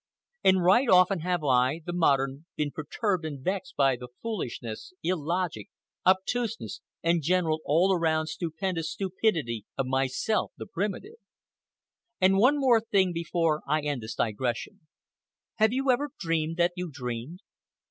And right often have I, the modern, been perturbed and vexed by the foolishness, illogic, obtuseness, and general all round stupendous stupidity of myself, the primitive. And one thing more, before I end this digression. Have you ever dreamed that you dreamed?